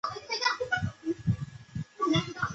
半个月就不去了